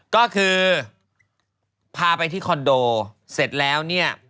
ก็คือพาไปที่คอนโดเสร็จแล้วเนี่ย